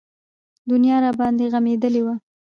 دنيا راباندې غمېدلې وه.